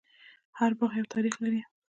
هر باغ یو تاریخ لري.